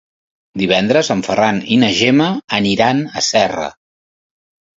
Divendres en Ferran i na Gemma iran a Serra.